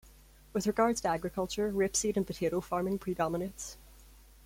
With regards to agriculture, rapeseed and potato farming predominates.